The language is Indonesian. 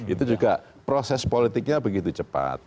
itu juga proses politiknya begitu cepat